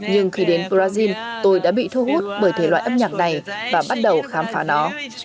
nhưng khi đến brazil tôi đã bị thu hút bởi thể loại âm nhạc này và bắt đầu khám phá nó